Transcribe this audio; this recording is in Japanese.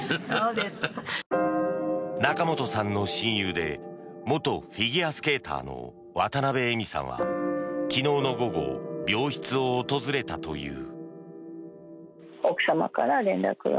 仲本さんの親友で元フィギュアスケーターの渡部絵美さんは昨日の午後病室を訪れたという。